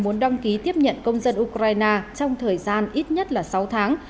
muốn đăng ký tiếp nhận công dân ukraine trong thời gian ít nhất là sáu tháng